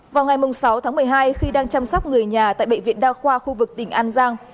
vào ngày sáu tháng một mươi hai khi đang chăm sóc người nhà tại bệnh viện đa khoa khu vực tỉnh an giang